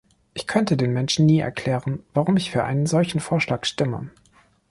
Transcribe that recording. Ich könnte den Menschen nie erklären, warum ich für einen solchen Vorschlag stimme.